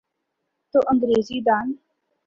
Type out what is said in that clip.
تو انگریزی دان۔